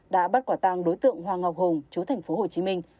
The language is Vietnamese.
đã bắt quả tàng đối tượng hoàng ngọc hùng chú thành phố hồ chí minh